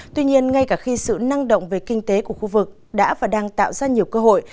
tuy nhiên ngay cả khi sự năng động về kinh tế của khu vực đã và đang tạo ra nhiều cơ hội